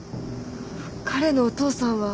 彼のお父さんは？